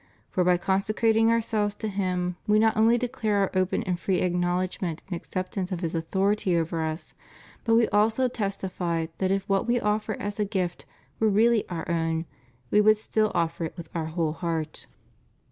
For by consecrating ourselves to Him we not only declare our open and free acknowledgment and acceptance of His authority over us, but we also testify that if what we offer as a gift were really our own, we would still offer it with our whole heart.